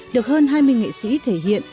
được hơn hai mươi nghệ sĩ thể hiện